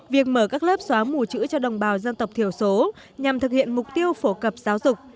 việc mở các lớp xóa mù chữ cho đồng bào dân tộc thiểu số nhằm thực hiện mục tiêu phổ cập giáo dục